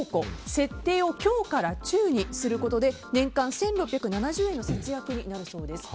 設定を強から中にすることで年間１６７０円の節約になるそうです。